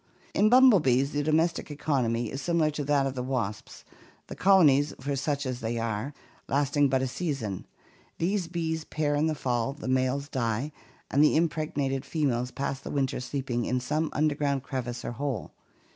In bumblebees the domestic economy is similar to that of the wasps, the colonies, for such they are, lasting but a season. These bees pair in the fall, the males die, and the impregnated females pass the winter sleeping in some underground crevice or hole.